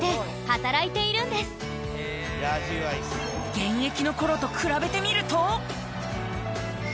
現役の頃と比べてみると。